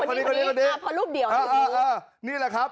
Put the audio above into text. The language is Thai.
คนี้คนี้คนี้อ่ะเพราะรูปเดี่ยวอ่าอ่านี่แหละครับ